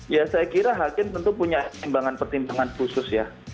ya saya kira hakim tentu punya pertimbangan pertimbangan khusus ya